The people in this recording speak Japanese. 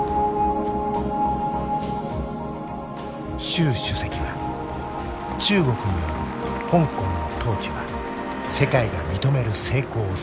習主席は中国による香港の統治は世界が認める成功を収めたと強調した。